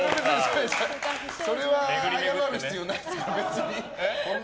それは謝る必要ないですから、別に。